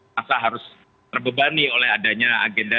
maka harus terbebani oleh adanya agenda